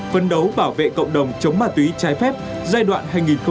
phân đấu bảo vệ cộng đồng chống ma túy trái phép giai đoạn hai nghìn một mươi sáu hai nghìn hai mươi năm